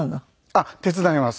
あっ手伝います。